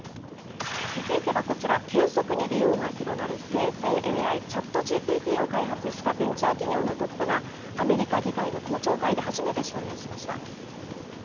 続いてはこちら、急速に利用が広がる生成ＡＩ、ＣｈａｔＧＰＴを開発したベンチャー企業のトップが、アメリカ議会の公聴会で初めて証言しました。